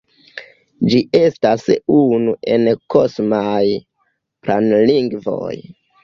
Ĝi estas unu el "kosmaj planlingvoj".